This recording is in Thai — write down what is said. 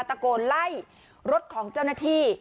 ตะโกนไล่รถของเจ้าหน้าที่